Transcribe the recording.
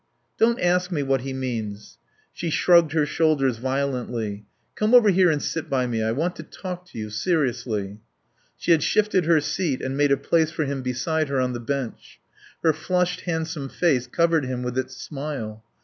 "Don't ask me what he means." She shrugged her shoulders violently. "Come over here and sit by me. I want to talk to you. Seriously." She had shifted her seat and made a place for him beside her on the bench. Her flushed, handsome face covered him with its smile.